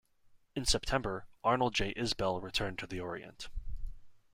In September, "Arnold J. Isbell" returned to the Orient.